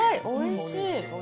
おいしい。